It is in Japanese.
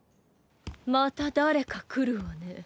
また誰か来るわね。